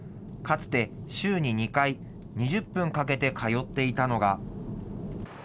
かつて週に２回、２０分かけて通っていたのが。